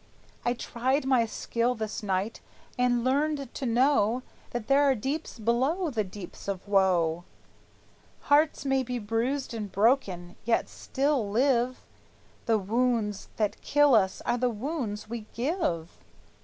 I tried my skill this night, and learned to know That there are deeps below the deeps of woe; Hearts may be bruised and broken, yet still live; The wounds that kill us are the wounds we give!"